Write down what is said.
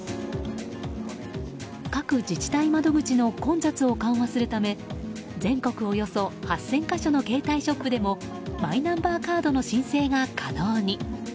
各自治体窓口の混雑を緩和するため全国およそ８０００か所の携帯ショップでもマイナンバーカードの申請が可能に。